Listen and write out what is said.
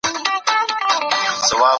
له مشرانو مشوره واخلئ.